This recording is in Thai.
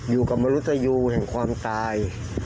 อยู่กับมรุตยูแห่งความตาย